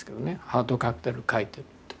「『ハートカクテル』描いてる」って。